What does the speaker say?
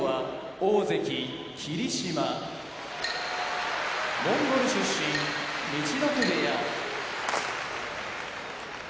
大関・霧島モンゴル出身陸奥部屋